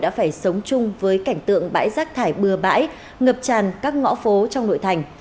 đã phải sống chung với cảnh tượng bãi rác thải bừa bãi ngập tràn các ngõ phố trong nội thành